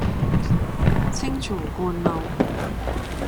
青松觀路